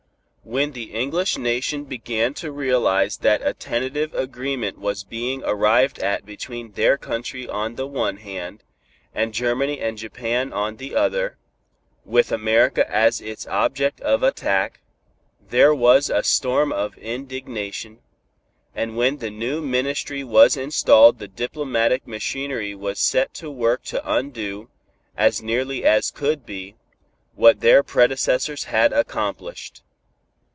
When the English nation began to realize that a tentative agreement was being arrived at between their country on the one hand, and Germany and Japan on the other, with America as its object of attack, there was a storm of indignation; and when the new Ministry was installed the diplomatic machinery was set to work to undo, as nearly as could be, what their predecessors had accomplished.